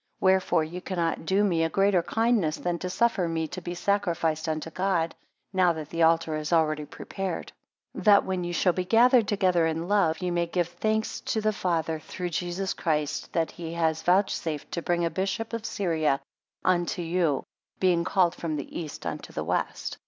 Wherefore ye cannot do me a greater kindness, than to suffer me to be sacrificed unto God, now that the altar is already prepared: 7 That when ye shall be gathered together in love, ye nay give thanks to the Father through Christ Jesus, that he has vouchsafed to bring a bishop of Syria unto you, being called from the east unto the west.